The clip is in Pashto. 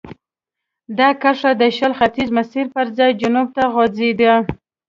دا کرښه د شل ختیځ مسیر پر ځای جنوب ته غځېده.